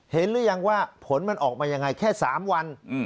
หรือยังว่าผลมันออกมายังไงแค่๓วัน